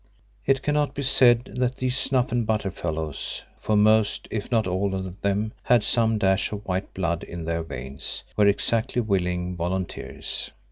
It cannot be said that these snuff and butter fellows—for most, if not all of them had some dash of white blood in their veins—were exactly willing volunteers.